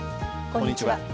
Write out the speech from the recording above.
こんにちは。